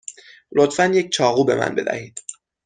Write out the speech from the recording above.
لطفا یک چاقو به من بدهید.